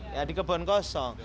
ya di kebun kosong